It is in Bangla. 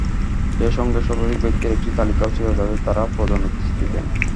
সেই সঙ্গে শতাধিক ব্যক্তির একটি তালিকাও ছিল, যাঁদের তাঁরা পদোন্নতি দিতেন।